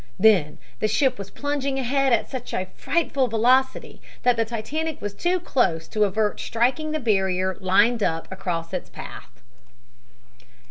Then, the ship was plunging ahead at such frightful velocity that the Titanic was too close to avert striking the barrier lined up across its path.